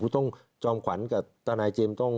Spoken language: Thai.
คุณต้องจอมขวัญกับตนายเจมส์